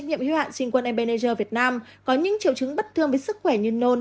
nhiệm hiếu hạn sinh quân embanager việt nam có những triệu chứng bất thường với sức khỏe như nôn